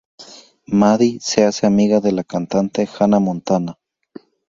Maddie se hace amiga de la cantante Hannah Montana.